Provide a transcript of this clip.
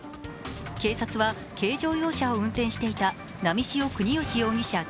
警察は、軽乗用車を運転していた波汐國芳容疑者